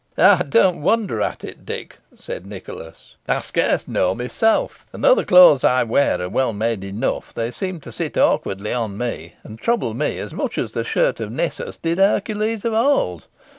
"I don't wonder at it, Dick," said Nicholas; "I scarce know myself; and though the clothes I wear are well made enough, they seem to sit awkwardly on me, and trouble me as much as the shirt of Nessus did Hercules of old.